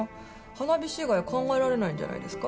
花火師以外考えられないんじゃないですか？